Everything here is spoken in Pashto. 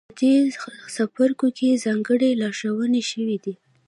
په دې څپرکو کې ځانګړې لارښوونې شوې دي.